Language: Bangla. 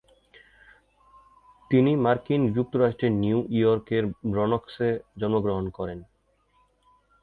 তিনি মার্কিন যুক্তরাষ্ট্রের নিউ ইয়র্কের ব্রনক্সে জন্মগ্রহণ করেন।